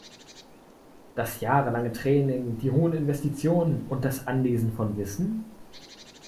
Das jahrelange Training, die hohen Investitionen und das Anlesen von Wissen?